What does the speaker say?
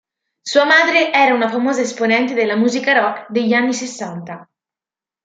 Sua madre era una famosa esponente della musica rock degli anni sessanta.